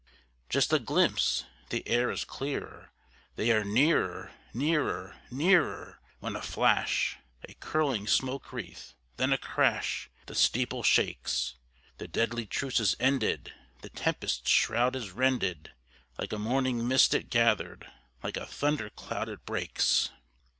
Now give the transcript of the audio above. Just a glimpse (the air is clearer), they are nearer, nearer, nearer, When a flash a curling smoke wreath then a crash the steeple shakes The deadly truce is ended; the tempest's shroud is rended; Like a morning mist it gathered, like a thundercloud it breaks!